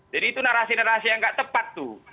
jadi itu narasi narasi yang nggak tepat tuh